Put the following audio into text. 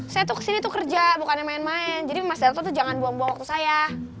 saya tuh kesini tuh kerja bukannya main main jadi mas darto tuh jangan buang buang waktu saya